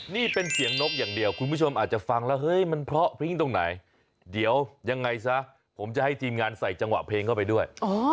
นี่เป็นเสียงนกอย่างเดียวคุณผู้ชมอาจจะฟังแล้วเฮ้ยมันเพราะพริ้งตรงไหนเดี๋ยวยังไงซะผมจะให้ทีมงานใส่จังหวะเพลงเข้าไปด้วย